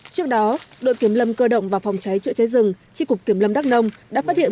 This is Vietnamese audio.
trước đó đội kiểm lâm cơ động và phòng cháy chữa cháy rừng tri cục kiểm lâm đắk nông đã phát hiện